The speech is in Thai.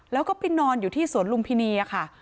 แล้วก็ไปนอนอยู่ที่สวนลุมพินีค่ะ